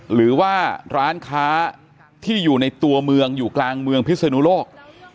หรือว่าร้านค้าที่อยู่ในตัวเมืองอยู่กลางเมืองพิศนุโลก